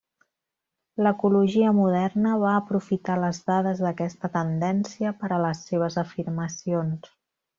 L'ecologia moderna va aprofitar les dades d'aquesta tendència per a les seves afirmacions.